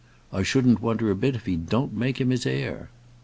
"I shouldn't wonder a bit if he don't make him his heir."